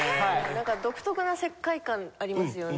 なんか独特な世界観ありますよね。